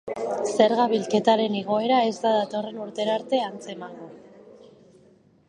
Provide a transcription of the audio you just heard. Zerga bilketaren igoera ez da datorren urterarte antzemango.